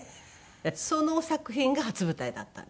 その作品が初舞台だったんです。